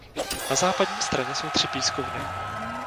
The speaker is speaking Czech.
Na západní straně jsou tři pískovny.